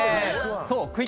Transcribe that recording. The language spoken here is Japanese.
そう。